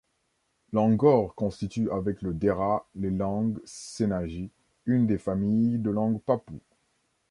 L'angor constitue avec le dera les langues senagi, une des familles de langues papoues.